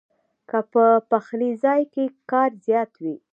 کۀ پۀ پخلي ځائے کښې کار زيات وي